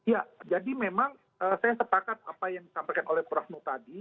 ya jadi memang saya sepakat apa yang disampaikan oleh prof mu tadi